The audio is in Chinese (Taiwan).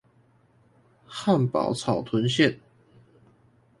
漢寶草屯線